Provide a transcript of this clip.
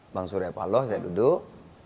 bang surya paloh saya duduk